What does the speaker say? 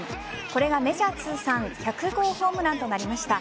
これがメジャー通算１００号ホームランとなりました。